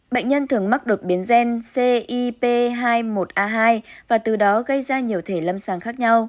bệnh nhân thường mắc đột biến gen cip hai mươi một a hai và từ đó gây ra nhiều thể lâm sàng khác nhau